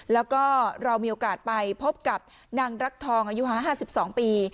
แล้วก็เรามีโอกาสไปพบกับนางรักทองอายุหาห้าสิบสองปี